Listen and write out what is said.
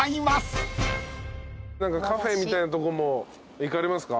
カフェみたいなとこも行かれますか？